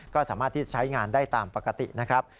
ก็สามารถที่ใช้งานได้ตามปกตินะครับ